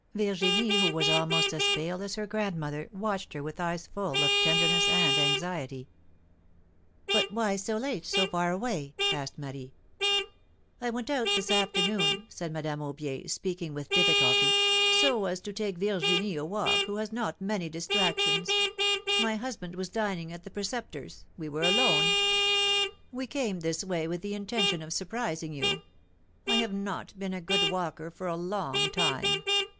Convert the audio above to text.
Vir ginie, who was almost as pale as her godmother, watched her with eyes full of tenderness and anxiety. ^^But why so late, so far away?^^ asked Marie. went out this afternoon,'^ said Madame Aubier, speaking with difficulty, ^^so as to take Virginie a walk, who has not many distractions. My husband was dining at the Preceptor's; we were alone. We came this way, with the intention of surprising yon. I have not been a good walker for a long time.